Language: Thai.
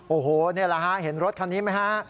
โอ้โหนี่แหละฮะเห็นรถคันนี้ไหมฮะ